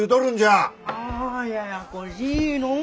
あややこしいのう。